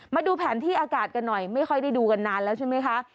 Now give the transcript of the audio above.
มาดูแผนที่อากาศกันหน่อยไม่ค่อยได้ดูกันนานแล้วใช่ไหมคะ